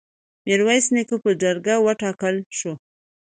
میرویس نیکه په جرګه وټاکل شو.